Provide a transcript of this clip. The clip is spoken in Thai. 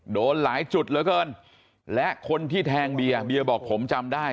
โดนหลายจุดเหลือเกินและคนที่แทงเบียร์เบียเบียบอกผมจำได้